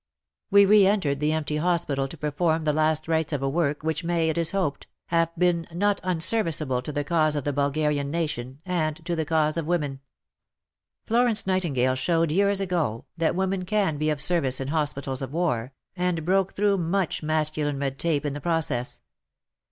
We re entered the empty hospital to perform the last rites of a work which may, it is hoped, have been not unserviceable to the cause of the Bulgarian nation and to the cause of women. Florence Nightingale showed years ago that women can be of service in hospitals of war, and broke through much masculine red tape in the process.